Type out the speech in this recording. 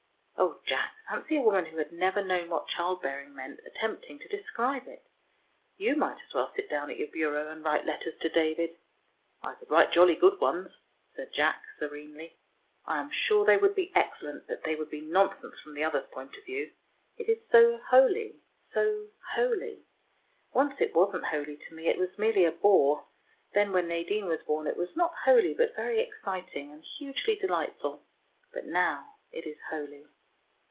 Oh, Jack, fancy a woman who had never known what child bearing meant attempting to describe it! You might as well sit down at your bureau and write letters to David." "I could write jolly good ones," said Jack serenely. "I am sure they would be excellent, but they would be nonsense from the other's point of view. It is so holy so holy! Once it wasn't holy to me; it was merely a bore. Then, when Nadine was born, it was not holy, but very exciting, and hugely delightful. But now it is holy."